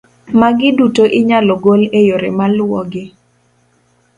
Magi duto inyalo gol e yore maluwogi: